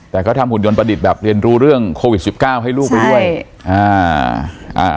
แต่ก็ทำหุ่นยนต์ประดิษฐ์แบบเรียนรู้เรื่องโควิด๑๙ให้ลูกไปด้วย